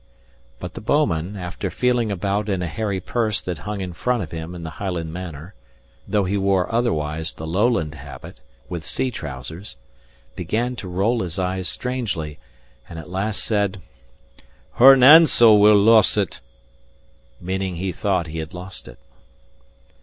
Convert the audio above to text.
But the bouman, after feeling about in a hairy purse that hung in front of him in the Highland manner (though he wore otherwise the Lowland habit, with sea trousers), began to roll his eyes strangely, and at last said, "Her nainsel will loss it," meaning he thought he had lost it.